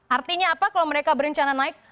artinya apa kalau mereka berencana naik